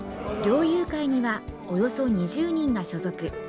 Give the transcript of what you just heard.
猟友会にはおよそ２０人が所属。